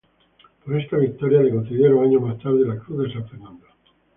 Por esta victoria le concedieron años más tarde la Cruz de San Fernando.